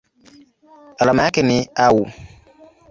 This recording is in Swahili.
Alama yake ni Au.